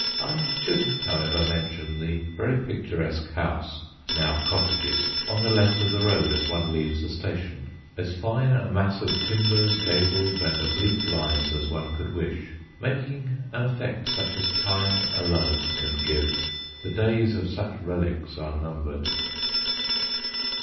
(I should, however, mention the very picturesque house now cottages on the left of the road as one leaves the station: as fine a mass of timbers, gables, and oblique lines as one could wish, making an effect such as time alone can give. The days of such relics are numbered.)